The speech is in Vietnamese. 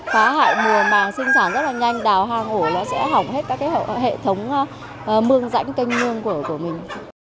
phá hại mùa màng sinh sản rất là nhanh đào hàng hổ nó sẽ hỏng hết các hệ thống mương rãnh cây nương của mình